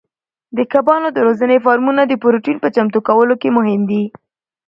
د کبانو د روزنې فارمونه د پروتین په چمتو کولو کې مهم دي.